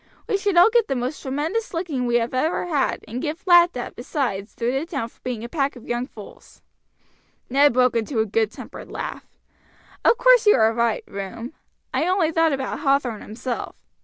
We should all get the most tremendous licking we have ever had, and get laughed at besides through the town for a pack of young fools." Ned broke into a good tempered laugh. "Of course you are right, Room. I only thought about Hathorn himself.